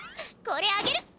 これあげる！